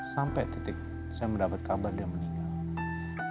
sampai titik saya mendapat kabar dia meninggal